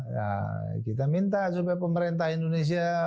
ya kita minta supaya pemerintah indonesia